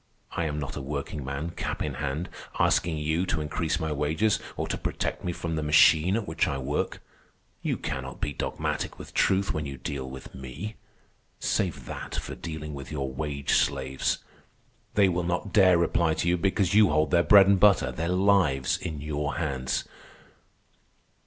I am not a workingman, cap in hand, asking you to increase my wages or to protect me from the machine at which I work. You cannot be dogmatic with truth when you deal with me. Save that for dealing with your wage slaves. They will not dare reply to you because you hold their bread and butter, their lives, in your hands.